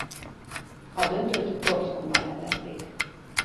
A döntőt Dortmundban rendezték.